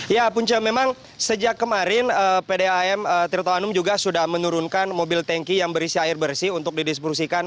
ya punca memang sejak kemarin pdam tirto anum juga sudah menurunkan mobil tanki yang berisi air bersih untuk didistribusikan